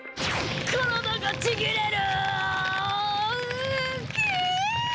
体がちぎれる！